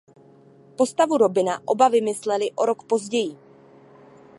Postavu Robina oba vymysleli o rok později.